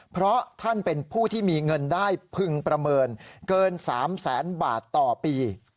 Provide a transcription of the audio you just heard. เพราะท่านเป็นผู้ที่มีเงินได้พึงประเมินเกิน๓แสนบาทต่อปี